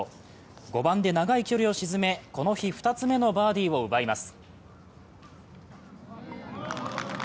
５番で長い距離を沈め、この日２つ目のバーディーを奪います。